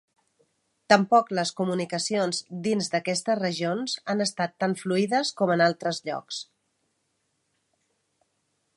Tampoc les comunicacions dins d'aquestes regions han estat tan fluides com en altres llocs.